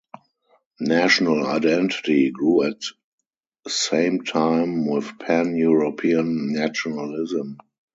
National identity grew at same time with Pan-European nationalism.